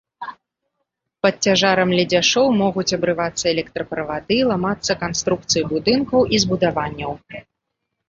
Пад цяжарам ледзяшоў могуць абрывацца электраправады, ламацца канструкцыі будынкаў і збудаванняў.